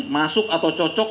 masuk atau cocok